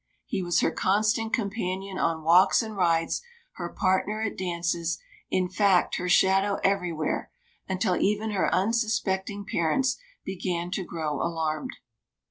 He was her constant companion on walks and rides, her partner at dances in fact, her shadow everywhere, until even her unsuspecting parents began to grow alarmed.